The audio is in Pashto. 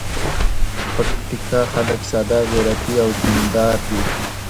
پکتیکا خلک ساده، غیرتي او دین دار دي.